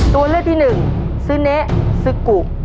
ตัวเลือกที่หนึ่งซึเนซึกกุ